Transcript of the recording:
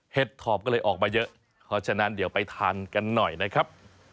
ถอบก็เลยออกมาเยอะเพราะฉะนั้นเดี๋ยวไปทานกันหน่อยนะครับ